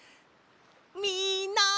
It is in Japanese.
みんな！